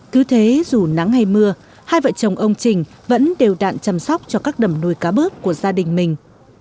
cứ thế dù nắng hay mưa hai vợ chồng ông trình vẫn đều đạn chăm sóc cho các đầm nuôi cá bớp của gia đình mình